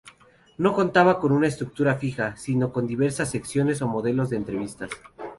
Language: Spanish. No contaba con una estructura fija, sino con diversas secciones o modelos de entrevistas.